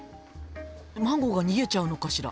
マンゴーが逃げちゃうのかしら？